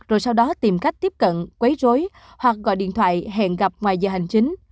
rồi sau đó tìm cách tiếp cận quấy rối hoặc gọi điện thoại hẹn gặp ngoài giờ hành chính